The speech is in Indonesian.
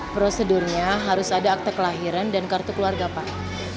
prosedurnya harus ada akte kelahiran dan kartu keluarga pak